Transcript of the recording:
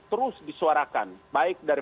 terus disuarakan baik dari